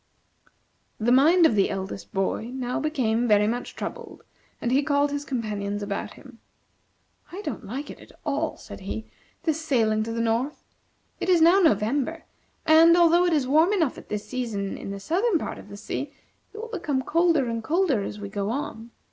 The mind of the eldest boy now became very much troubled, and he called his companions about him. "I don't like at all," said he, "this sailing to the north. It is now November, and, although it is warm enough at this season in the southern part of the sea, it will become colder and colder as we go on.